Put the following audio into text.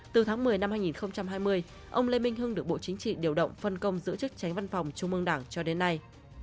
từ tháng một mươi năm hai nghìn hai mươi ông lê minh hưng được bộ chính trị điều động phân công giữ chức tránh văn phòng trung ương đảng cho đến nay